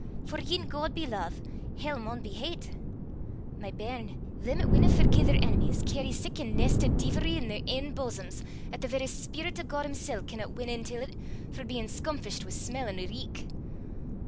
For gien God be love, hell maun be hate. My bairn, them 'at winna forgie their enemies, cairries sic a nest o' deevilry i' their ain boasoms, 'at the verra speerit o' God himsel' canna win in till 't for bein' scomfished wi' smell an' reik.